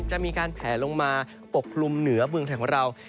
จะมีการแผลลงมาปกคลุมเหนือเมืองไทยของเรา